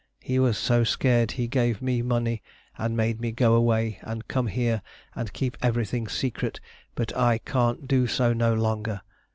He was so scared he gave me money and made me go away and come here and keep every thing secret but I can't do so no longer.